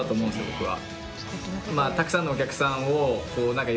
僕は。